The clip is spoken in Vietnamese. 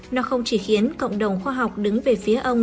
nó không chỉ khiến cộng đồng khoa học đứng về phía ông